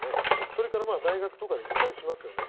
それから大学とかで行ったりしますよね。